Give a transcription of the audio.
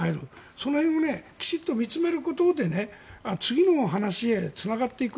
その辺をきちんと見つめることで次の話へつながっていく。